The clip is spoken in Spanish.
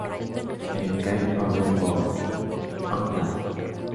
En "Game Over for Owlman!